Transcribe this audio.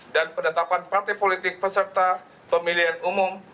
dan pendatapan partai politik peserta pemilihan umum